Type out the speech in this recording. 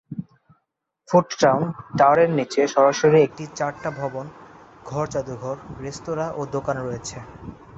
Foot town, টাওয়ারের নিচে সরাসরি একটি চার-টা ভবন, ঘর যাদুঘর, রেস্তোরাঁ ও দোকান রয়েছে।